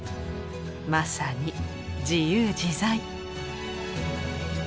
まさに自由自在。